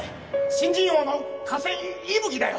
新人王の加瀬息吹だよ